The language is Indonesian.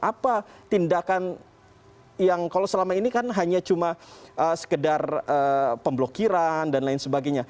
apa tindakan yang kalau selama ini kan hanya cuma sekedar pemblokiran dan lain sebagainya